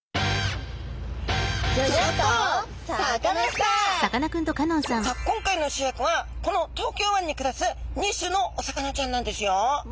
さあ今回の主役はこの東京湾に暮らす２種のお魚ちゃんなんですよ。